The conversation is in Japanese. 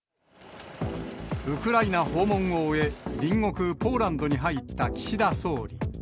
ウクライナ訪問を終え、隣国ポーランドに入った岸田総理。